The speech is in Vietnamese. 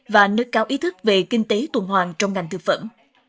và nâng cao ý thức về kinh tế tuần hoàng trong ngành thực phẩm